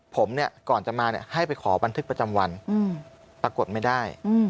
ผมเนี่ยก่อนจะมาให้ไปขอบันทึกประจำวันปรากฏไม่ได้